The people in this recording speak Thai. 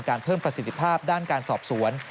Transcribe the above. เพิ่มประสิทธิภาพด้านการสอบสวน